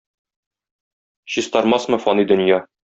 Чистармасмы фани дөнья!